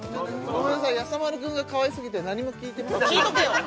ごめんなさいやさ丸くんがかわいすぎて何も聞いてませんでした聞いとけよ！